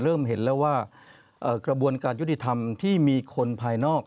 เริ่มเห็นแล้วว่ากระบวนการยุติธรรมที่มีคนภายนอก